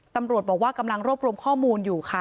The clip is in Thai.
ตำรวจบอกว่ากำลังรวบรวมข้อมูลอยู่ค่ะ